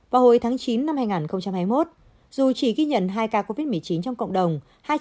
vào hồi tháng chín năm hai nghìn hai mươi một dù chỉ ghi nhận hai ca covid một mươi chín trong cộng đồng